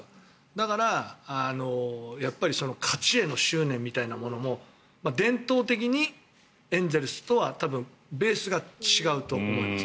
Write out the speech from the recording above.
だから、やっぱり勝ちへの執念みたいなものも伝統的にエンゼルスとは多分、ベースが違うと思います。